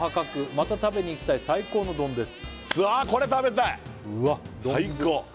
「また食べに行きたい最高の丼です」